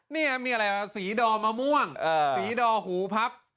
นี่มีอะไรสีดอมะม่วงสีดอหูพับ